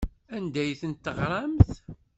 Anda ay tent-teɣramt?